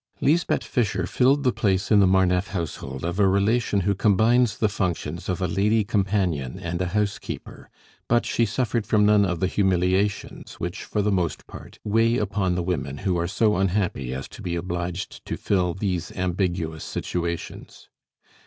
Lisbeth Fischer filled the place in the Marneffe household of a relation who combines the functions of a lady companion and a housekeeper; but she suffered from none of the humiliations which, for the most part, weigh upon the women who are so unhappy as to be obliged to fill these ambiguous situations.